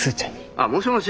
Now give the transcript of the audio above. あっもしもし。